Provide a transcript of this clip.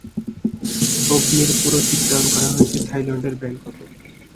অগ্নির পুরো চিত্রায়ন করা হয়েছে থাইল্যান্ডের ব্যাংককে।